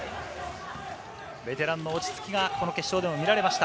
ベテランの落ち着きがこの決勝でも見られました。